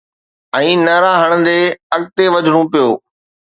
۽ نعرا هڻندي اڳتي وڌڻو پيو.